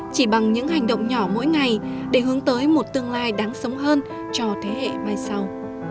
chỉ bằng những hành động nhỏ mỗi ngày để hướng tới một tương lai đáng sống hơn cho thế hệ mai sau